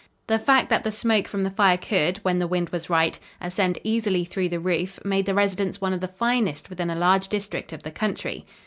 The fact that the smoke from the fire could, when the wind was right, ascend easily through the roof made the residence one of the finest within a large district of the country.